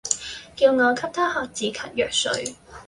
叫我給她喝止咳藥水